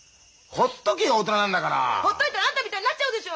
ほっといたらあんたみたいになっちゃうでしょ！